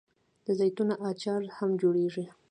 د زیتون اچار هم جوړیږي.